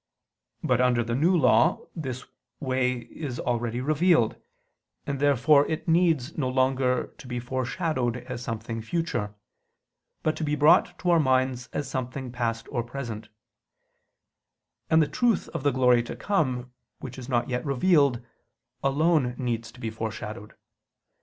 But under the New Law this way is already revealed: and therefore it needs no longer to be foreshadowed as something future, but to be brought to our minds as something past or present: and the truth of the glory to come, which is not yet revealed, alone needs to be foreshadowed.